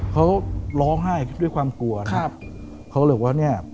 เขาร้องไห้ด้วยความกลัวนะครับเขาเลยว่าเนี่ย